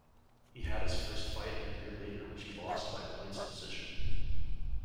He had his first fight a year later which he lost by points decision.